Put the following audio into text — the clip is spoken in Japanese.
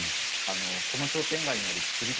あのこの商店街にある造り